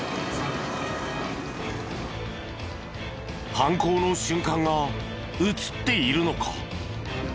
犯行の瞬間が映っているのか？